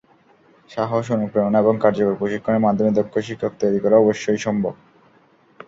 সাহস, অনুপ্রেরণা এবং কার্যকর প্রশিক্ষণের মাধ্যমে দক্ষ শিক্ষক তৈরি করা অবশ্যই সম্ভব।